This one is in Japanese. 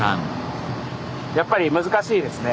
やっぱり難しいですね。